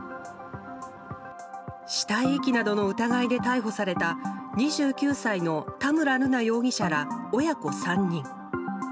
死体遺棄などの疑いで逮捕された２９歳の田村瑠奈容疑者ら親子３人。